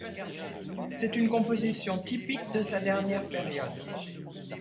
C'est une composition typique de sa dernière période..